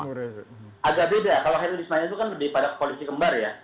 agak beda kalau herudin ismail itu kan lebih pada kepolisi kembar ya